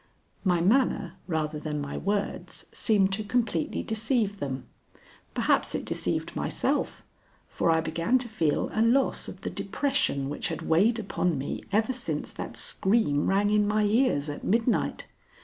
My manner, rather than my words, seemed to completely deceive them. Perhaps it deceived myself, for I began to feel a loss of the depression which had weighed upon me ever since that scream rang in my ears at midnight.